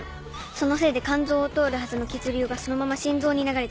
そのせいで肝臓を通るはずの血流がそのまま心臓に流れてる。